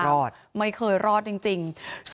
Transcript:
ไม่รอดไม่เคยรอดจริง